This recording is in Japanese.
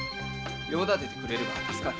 用立ててくれれば助かる。